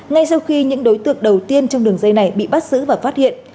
ngay sau khi những đối tượng đầu tiên trong đường dây này bị bắt giữ và phát hiện